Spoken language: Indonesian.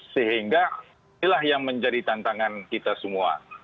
sehingga inilah yang menjadi tantangan kita semua